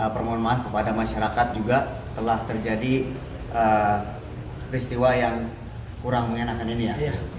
permohonan maaf kepada masyarakat juga telah terjadi peristiwa yang kurang mengenakan ini ya